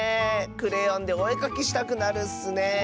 クレヨンでおえかきしたくなるッスねえ。